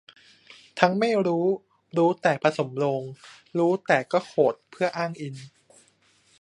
ทั้งไม่รู้ รู้แต่ผสมโรง รู้แต่ก็โควตเพื่ออ้างอิง